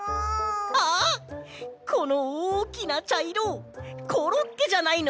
このおおきなちゃいろコロッケじゃないの？